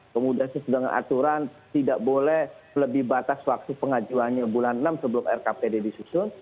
kemudian sesuai dengan aturan tidak boleh lebih batas waktu pengajuannya bulan enam sebelum rkpd disusun